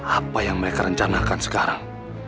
apa yang mereka rencanakan sekarang